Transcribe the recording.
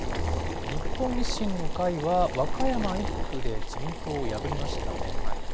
日本維新の会は、和歌山１区で自民党を破りましたね。